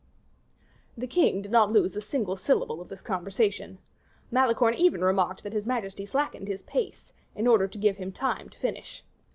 The king did not lose a single syllable of this conversation. Malicorne even remarked that his majesty slackened his pace, in order to give him time to finish.